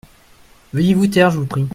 Veuillez vous taire, je vous prie.